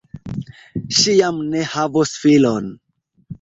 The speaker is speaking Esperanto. Ŝi jam ne havos filon.